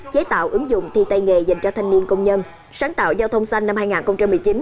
chế tạo ứng dụng thi tay nghề dành cho thanh niên công nhân sáng tạo giao thông xanh năm hai nghìn một mươi chín